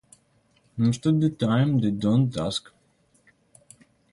Most of the time, they don't ask.